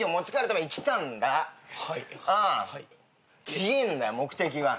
違えんだよ目的は。